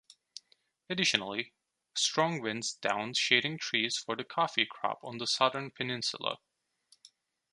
Additionally, strong winds downed shading trees for the coffee crop on the southern peninsula.